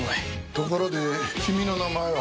ところで君の名前は？